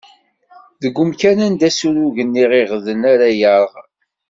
Deg umkan anda ssurugen iɣiɣden ara yerɣ.